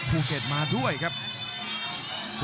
คมทุกลูกจริงครับโอ้โห